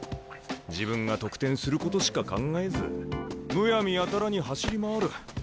自分が得点することしか考えずむやみやたらに走り回る。